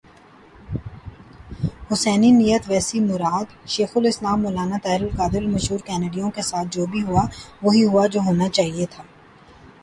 جیسی نیت ویسی مراد ، شیخ الاسلام مولانا طاہرالقادری المشور کینڈیوی کے ساتھ بھی جو ہوا ، وہی ہوا ، جو ہونا چاہئے تھا ۔